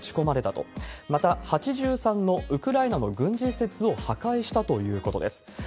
また、８３のウクライナの軍事施設を破壊したということです。